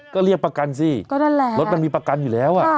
ก็เรียกประกันสิก็นั่นแหละรถมันมีประกันอยู่แล้ว